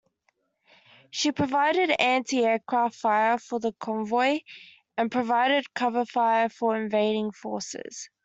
She provided anti-aircraft fire for the convoy and provided cover fire for invading forces.